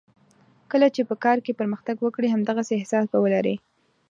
کله چې په کار کې پرمختګ وکړې همدغسې احساس به ولرې.